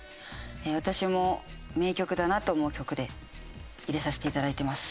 私も名曲だなと思う曲で入れさせていただいています。